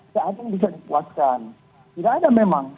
kehanyaan bisa dipuaskan tidak ada memang